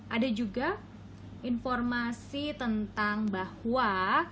ada juga informasi tentang bahwa